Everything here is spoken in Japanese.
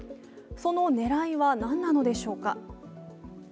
その狙いは何なのでしょうか。